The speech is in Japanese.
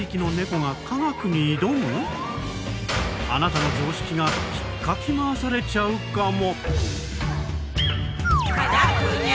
あなたの常識がひっかき回されちゃうかも！